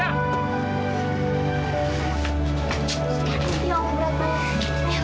ya allah berat banget